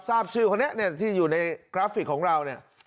ทราบชื่อคนนี้ที่อยู่ในกราฟิกของเราเนี่ย